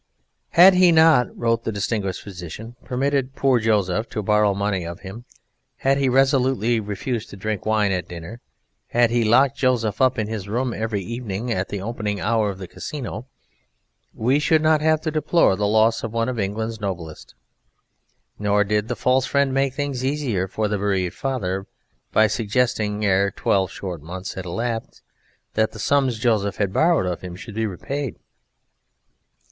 "Had he not," wrote the distinguished physician, "permitted our poor Joseph to borrow money of him; had he resolutely refused to drink wine at dinner; had he locked Joseph up in his room every evening at the opening hour of the Casino, we should not have to deplore the loss of one of England's noblest." Nor did the false friend make things easier for the bereaved father by suggesting ere twelve short months had elapsed that the sums Joseph had borrowed of him should be repaid.